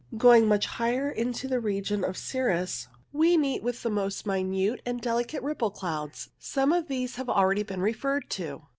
Going much higher up into the region of cirrus, we meet with the most minute and delicate ripple clouds. Some of these have already been referred to.